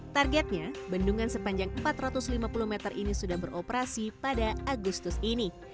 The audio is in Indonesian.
targetnya bendungan sepanjang empat ratus lima puluh meter ini sudah beroperasi pada agustus ini